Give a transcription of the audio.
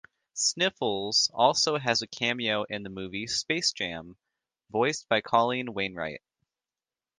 Sniffles also has a cameo in the movie "Space Jam" voiced by Colleen Wainright.